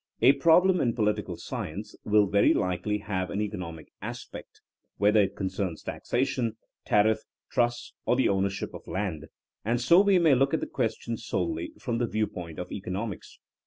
A problem in political science will very likely have an eco nomic aspect, whether it concerns taxation, tariff, trusts or the ownership of land, and so we may look at the question solely from the viewpoint of economics.